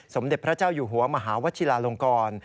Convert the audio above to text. สมเด็จพระเจ้าอยู่หัวมหาวชิลาลงกร